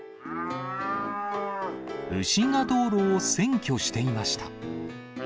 牛が道路を占拠していました。